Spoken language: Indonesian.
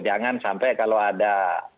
jangan sampai kalau ada